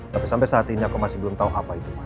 tapi sampai saat ini aku masih belum tahu apa itu